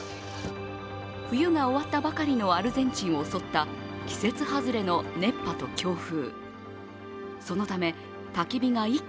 冬が終わったばかりのアルゼンチンを襲った季節外れの熱波と強風。